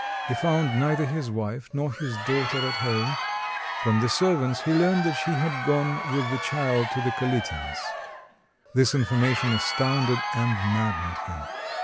He found neither his wife nor his daughter at home; from the servants he learned that she had gone with the child to the Kalitins'. This information astounded and maddened him.